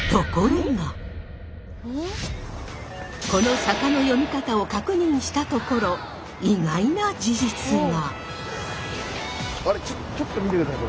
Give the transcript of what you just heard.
この坂の読み方を確認したところ意外な事実が！